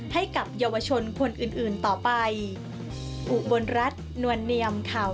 ให้กับเยาวชนคนอื่นต่อไป